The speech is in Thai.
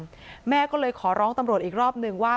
แม่ก็เลยขอร้องตำรวจอีกรอบหนึ่งว่า